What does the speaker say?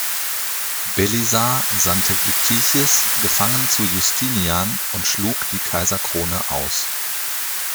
Belisar sandte Witichis gefangen zu Justinian und schlug die Kaiserkrone aus.